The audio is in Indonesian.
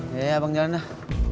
ya ya abang jalan dah